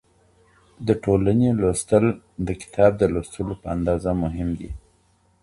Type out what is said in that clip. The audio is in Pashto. د ټولني لوستل د کتاب د لوستلو په اندازه مهم دي.